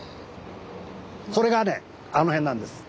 それがねあの辺なんです。